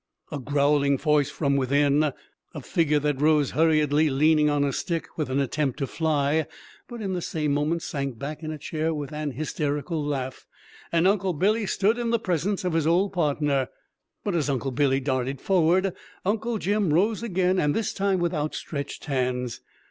A growling voice from within, a figure that rose hurriedly, leaning on a stick, with an attempt to fly, but in the same moment sank back in a chair with an hysterical laugh and Uncle Billy stood in the presence of his old partner! But as Uncle Billy darted forward, Uncle Jim rose again, and this time with outstretched hands.